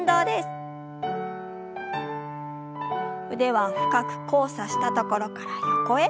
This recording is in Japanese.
腕は深く交差したところから横へ。